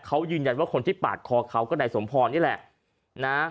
เขายืนยันว่าคนที่ปาดคอเขาก็นายสมพรนี่แหละนะ